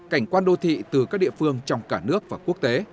cảnh quan đô thị từ các địa phương trong cả nước và quốc tế